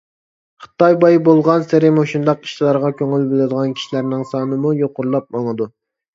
خىتاي باي بولغانسېرى مۇشۇنداق ئىشلارغا كۆڭۈل بولىدىغان كىشىلەرنىڭ سانىمۇ يۇقىرىلاپ ماڭىدۇ.